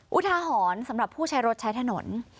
อุทาหรณ์สำหรับผู้ใช้รถใช้ถนน